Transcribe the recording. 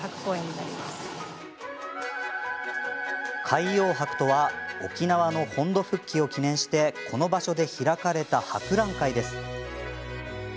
海洋博とは沖縄の本土復帰を記念してこの場所で開かれた博覧会です。